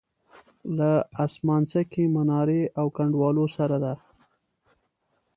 له اسمانڅکې منارې او کنډوالو سره ده.